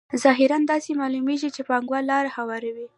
ظاهراً داسې معلومېږي چې پانګوال لار هواروي